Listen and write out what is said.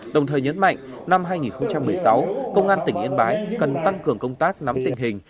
đồng thời nhấn mạnh năm hai nghìn một mươi sáu công an tỉnh yên bái cần tăng cường công tác nắm tình hình